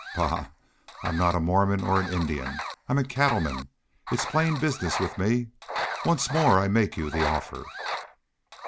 "Bah! I'm not a Mormon or an Indian. I'm a cattleman. It's plain business with me. Once more I make you the offer."